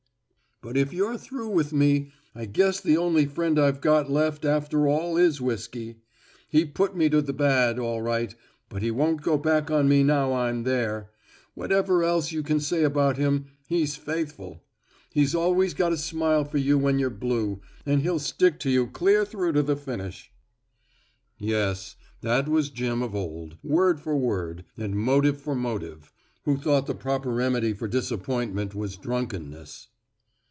"But if you're through with me, I guess the only friend I've got left after all is whiskey. He put me to the bad all right, but he won't go back on me now I'm there. Whatever else you can say about him, he's faithful. He's always got a smile for you when you're blue, and he'll stick to you clear through to the finish." Yes, that was Jim of old, word for word and motive for motive, who thought the proper remedy for disappointment was drunkenness.